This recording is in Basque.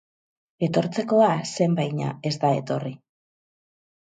Etortzekoa zen baina ez da etorri.